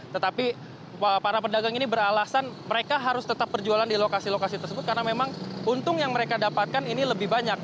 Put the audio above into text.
tetapi para pedagang ini beralasan mereka harus tetap berjualan di lokasi lokasi tersebut karena memang untung yang mereka dapatkan ini lebih banyak